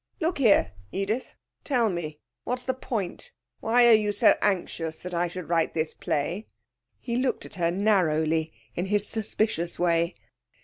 Look here, Edith, tell me, what's the point? Why are you so anxious that I should write this play?' He looked at her narrowly, in his suspicious way.